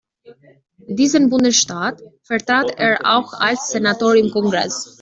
Diesen Bundesstaat vertrat er auch als Senator im Kongress.